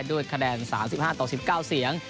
ด้วยคะแนน๓๕ต่อ๑๙เสียง